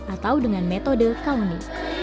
atau dengan metode qawni